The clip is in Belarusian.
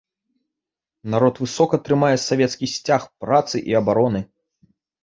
Народ высока трымае савецкі сцяг працы і абароны.